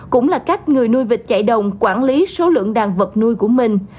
cũng là cách người nuôi vịt chạy đồng quản lý số lượng đàn vật nuôi của mình